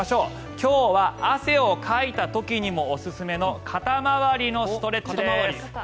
今日は汗をかいた時にもおすすめの肩回りのストレッチです。